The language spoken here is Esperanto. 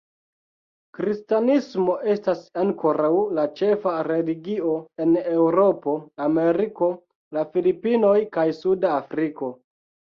Kristanismo estas ankoraŭ la ĉefa religio en Eŭropo, Ameriko, la Filipinoj kaj Suda Afriko.